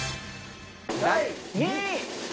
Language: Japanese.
第２位。